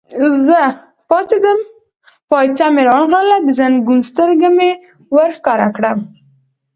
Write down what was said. زه پاڅېدم، پایڅه مې را ونغاړل، د زنګون سترګه مې ور ښکاره کړل.